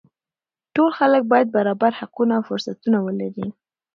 ټول خلک باید برابر حقونه او فرصتونه ولري